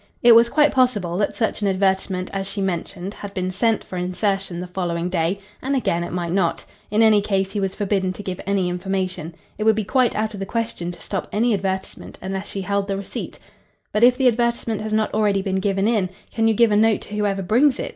It was quite possible that such an advertisement as she mentioned had been sent for insertion the following day, and again it might not. In any case he was forbidden to give any information. It would be quite out of the question to stop any advertisement unless she held the receipt. "But if the advertisement has not already been given in, can you give a note to whoever brings it?"